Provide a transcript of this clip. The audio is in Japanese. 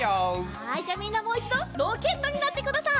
はいじゃあみんなもういちどロケットになってください。